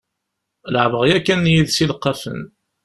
Leɛbeɣ yakan yid-s ileqqafen.